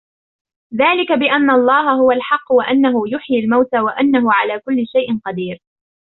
ذلك بأن الله هو الحق وأنه يحيي الموتى وأنه على كل شيء قدير